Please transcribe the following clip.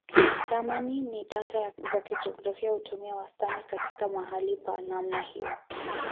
Ramani na data za kijiografia hutumia wastani kati ya mahali pa namna hiyo.